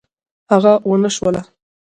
هغه ونشوله.